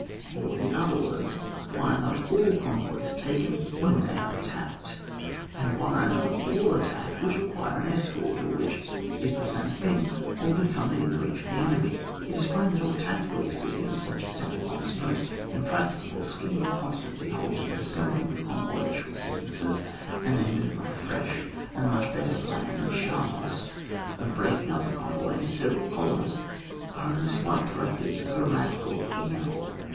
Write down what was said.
Or, in other words, why are not all convoys taken when they are CHAP. XVIII.] ATTACK OF CONVOTS. 27 attacked, and why are not all attacked which require an escort, or, which is the same thing, all that come within reach of the enemy ? It is plain that all tactical expedients, such as Templehof s most im practicable scheme of constiuitly halting and assembling the convoy at short dis tances, and then moving off afresh ; and the much better plan of Scharnhorst, of breaking np the convoy into several columns, are only slight correctives of a radical evil.